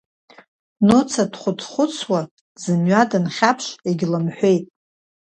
Нуца дхәыц-хәыцуа зымҩа дынхьаԥшит, егьлымҳәеит.